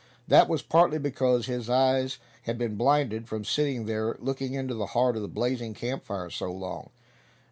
That was partly because his eyes had been blinded from sitting there, looking into the heart of the blazing camp fire so long.